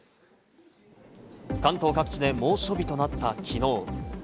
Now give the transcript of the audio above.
関東各地で猛暑日となったきのう。